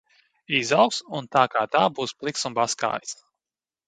Izaugs un tā kā tā būs pliks un baskājis.